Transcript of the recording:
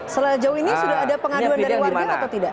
sejauh ini sudah ada pengaduan dari warga atau tidak